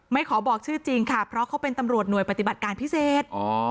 ขอบอกชื่อจริงค่ะเพราะเขาเป็นตำรวจหน่วยปฏิบัติการพิเศษ